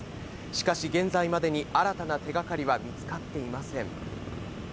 しかし、現在までに新たな手がかりは見つかっていません。